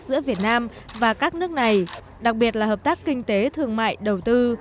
giữa việt nam và các nước này đặc biệt là hợp tác kinh tế thương mại đầu tư